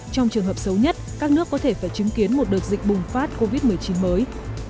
trong trường hợp xấu nhất các nước có thể phải chứng kiến một đợt dịch bùng phát covid một mươi chín mới